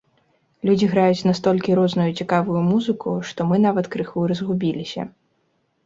Людзі граюць настолькі розную і цікавую музыку, што мы нават крыху разгубіліся.